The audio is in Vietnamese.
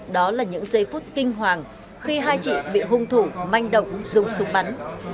đó là những giây phút kinh hoàng khi hai chị bị hung thủ manh động dùng súng bắn